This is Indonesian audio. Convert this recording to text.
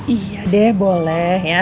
iya deh boleh ya